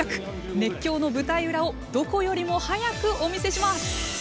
熱狂の舞台裏をどこよりも早くお見せします。